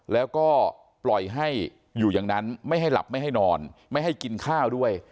แล้วก็ปล่อยให้อยู่อย่างนั้นไม่ให้หลับไม่ให้นอนไม่ให้กินข้าวด้วย